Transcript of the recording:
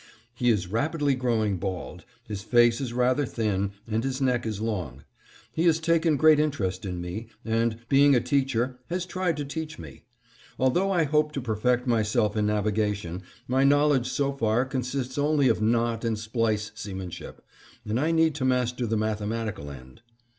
He is rapidly growing bald; his face is rather thin, and his neck is long. He has taken great interest in me and, being a teacher, has tried to teach me. Although I hope to perfect myself in navigation, my knowledge so far consists only of knot and splice seamanship, and I need to master the mathematical end.